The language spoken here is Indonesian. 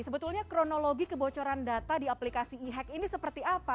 sebetulnya kronologi kebocoran data di aplikasi e hack ini seperti apa